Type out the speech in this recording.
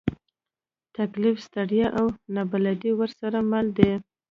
تکلیف، ستړیا، او نابلدي ورسره مل دي.